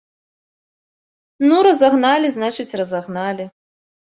Ну разагналі, значыць разагналі.